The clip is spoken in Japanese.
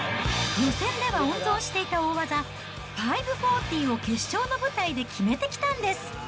予選では温存していた大技、５４０を決勝の舞台で決めてきたんです。